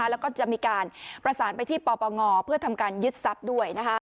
แล้วก็จะมีการประสานไปที่ปปงเพื่อทำการยึดทรัพย์ด้วย